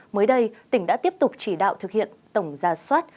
mới đây tỉnh đã tiếp tục chỉ đạo thực hiện tổng ra soát